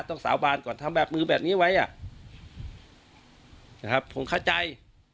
สาบานก่อนทำแบบมือแบบนี้ไว้อ่ะนะครับผมเข้าใจ